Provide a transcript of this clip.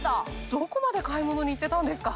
どこまで買い物に行ってたんですか？